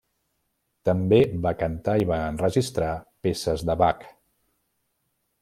També va cantar i va enregistrar peces de Bach.